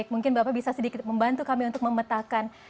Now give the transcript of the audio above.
mungkin bapak bisa sedikit membantu kami untuk memetakan